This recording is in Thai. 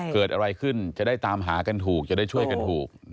เกิดอะไรขึ้นจะได้ตามหากันถูกจะได้ช่วยกันถูก